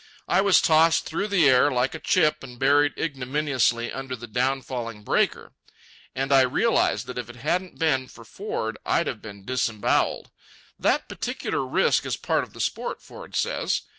I was tossed through the air like a chip and buried ignominiously under the downfalling breaker. And I realized that if it hadn't been for Ford, I'd have been disembowelled. That particular risk is part of the sport, Ford says.